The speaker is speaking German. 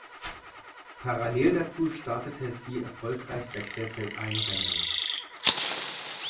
Parallel dazu startete sie erfolgreich bei Querfeldeinrennen.